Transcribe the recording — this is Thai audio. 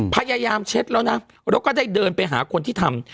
เช็ดแล้วนะแล้วก็ได้เดินไปหาคนที่ทำ